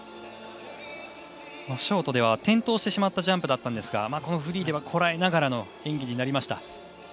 ショートでは転倒してしまったジャンプだったんですがこのフリーでは、こらえながらの演技になりました。